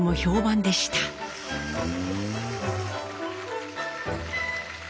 ふん。